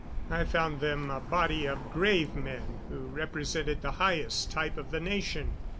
I found them a body of grave men who represented the highest type of the nation.